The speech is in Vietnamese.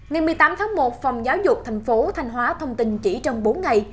ngày một mươi tám tháng một phòng giáo dục thành phố thanh hóa thông tin chỉ trong bốn ngày